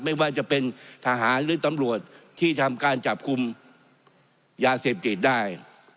ไม่ว่าจะเป็นทหารหรือตำรวจที่ทำการจับกลุ่มยาเสพติดได้